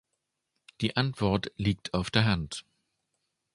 Die Antwort liegt auf der Hand.